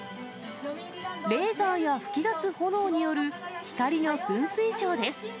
レーザーや噴き出す炎による光の噴水ショーです。